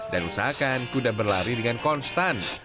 dan usahakan kuda berlari dengan konstan